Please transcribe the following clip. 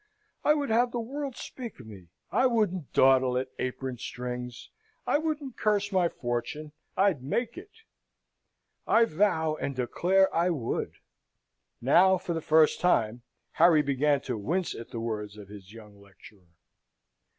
I would have the world speak of me. I wouldn't dawdle at apron strings. I wouldn't curse my fortune I'd make it. I vow and declare I would!" Now, for the first time, Harry began to wince at the words of his young lecturer.